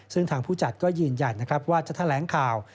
ซึ่งทางผู้จัดก็ยืนยันนะครับว่าจะแถลงข่าว